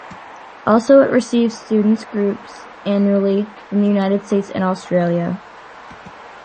Also, it receives students groups annually from the United States and Australia.